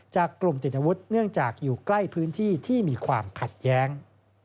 จากกลุ่มติดอาวุธเนื่องจากอยู่ใกล้พื้นที่ที่มีความขัดแย้ง